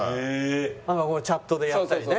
なんかチャットでやったりね。